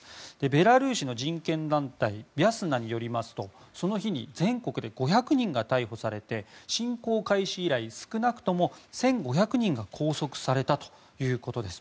ベラルーシの人権団体ビャスナによりますとその日に全国で５００人が逮捕されて侵攻開始以来少なくとも１５００人が拘束されたということです。